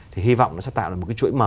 thì hy vọng nó sẽ tạo ra một cái chuỗi mở